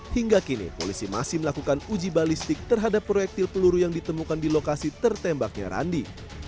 hingga kini polisi masih melakukan uji balistik terhadap proyektil peluru yang ditemukan di lokasi tertembaknya randi